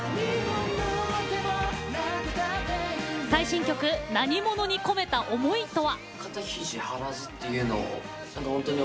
最新曲「なにもの」に込めた思いとは。